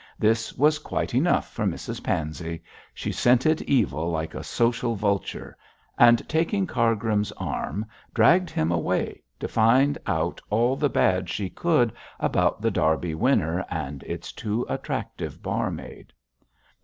This was quite enough for Mrs Pansey; she scented evil like a social vulture, and taking Cargrim's arm dragged him away to find out all the bad she could about The Derby Winner and its too attractive barmaid.